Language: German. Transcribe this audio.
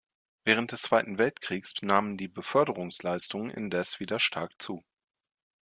Während des Zweiten Weltkriegs nahmen die Beförderungsleistungen indes wieder stark zu.